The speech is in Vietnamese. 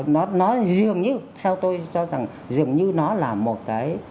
nó nói dường như theo tôi cho rằng dường như nó là một cái